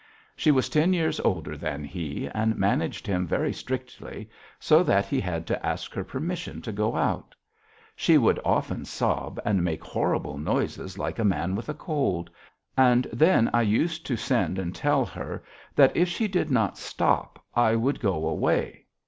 She was ten years older than he and managed him very strictly, so that he had to ask her permission to go out. She would often sob and make horrible noises like a man with a cold, and then I used to send and tell her that I'm if she did not stop I would go away.